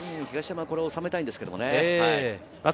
東山はこれを収めたいんですけどね。